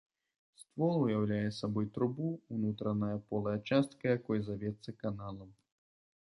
Ствол уяўляе сабой трубу, унутраная полая частка якой завецца каналам.